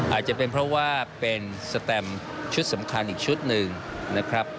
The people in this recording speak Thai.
อาจจะเป็นเพราะว่าเป็นสแตมชุดสำคัญอีกชุดหนึ่งนะครับ